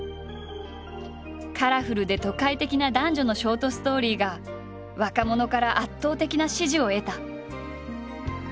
カラフルで都会的な男女のショートストーリーが若者から圧倒的な支持を得た。